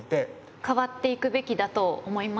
変わっていくべきだと思います。